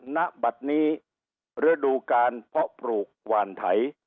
ณบัตรนี้ฤดูการเพาะปลูกหวานไถ